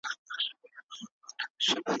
رحیم له ډېر وخت راهیسې په غوسه دی.